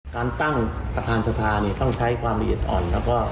การตั้งประธานสภาเนี่ยต้องใช้ความละเอียดอ่อนแล้วก็